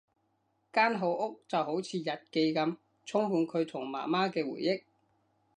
間好屋就好似日記噉，充滿佢同媽媽嘅回憶